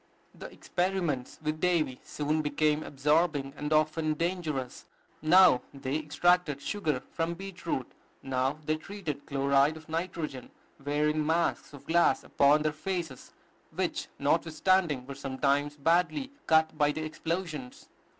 The experiments with Davy soon became absorbing, and often dangerous. Now they extracted sugar from beet root; now they treated chloride of nitrogen, wearing masks of glass upon their faces, which, notwithstanding, were sometimes badly cut by the explosions.